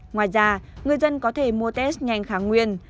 ngoài ra người dân có thể mua test nhanh kháng nguyên